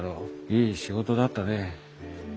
いい仕事だったね。